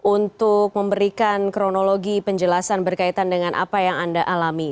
untuk memberikan kronologi penjelasan berkaitan dengan apa yang anda alami